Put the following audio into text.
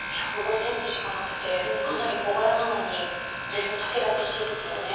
１０５センチしかなくてかなり小柄なのに随分たけだけしいですよね。